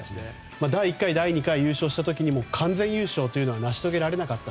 第１回、第２回優勝した時にも完全優勝というのは成し遂げられなかった。